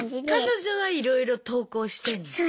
彼女はいろいろ投稿してんの？